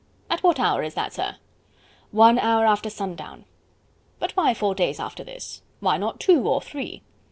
"At what hour is that, sir?" "One hour after sundown." "But why four days after this? Why not two or three?"